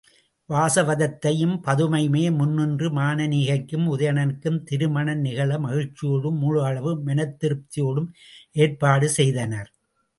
வாசவதத்தையும் பதுமையுமே முன் நின்று, மானனீகைக்கும் உதயணனுக்கும் திருமணம் நிகழ மகிழ்ச்சியோடும் முழுஅளவு மனத் திருப்தியோடும் ஏற்பாடு செய்தனர்.